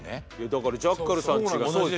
だからジャッカルさんちがそうですよ。